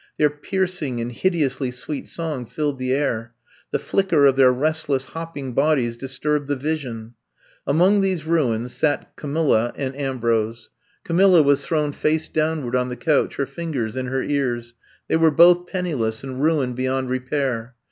Their pierc ing and hideously sweet song filled the air ; the flicker of their restless, hopping bodies disturbed the vision. Among these ruins sat Camilla and Am I'VE COMB TO STAY 13T brose. Camilla was thrown face downward on the couch, her fingers in her ears. They were both penniless, and ruined beyond repair.